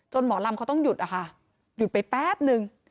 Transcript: หมอลำเขาต้องหยุดอะค่ะหยุดไปแป๊บนึง